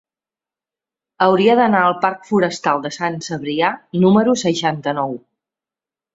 Hauria d'anar al parc Forestal de Sant Cebrià número seixanta-nou.